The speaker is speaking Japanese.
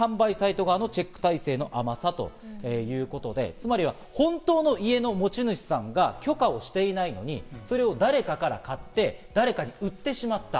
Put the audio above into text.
そして３つ目なんですが、写真販売サイト側のチェック体制の甘さということで、つまりは本当の家の持ち主さんが許可をしていないのに、それを誰かから買って、誰かに売ってしまった。